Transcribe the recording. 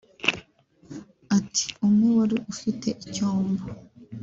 Ati “Umwe wari ufite icyombo